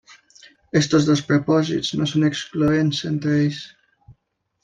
Aquests dos propòsits no són excloents entre ells.